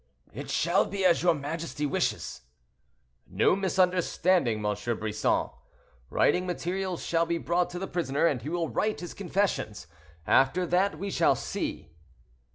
"It shall be as your majesty wishes." "No misunderstanding, M. Brisson. Writing materials shall be brought to the prisoner, and he will write his confessions; after that we shall see."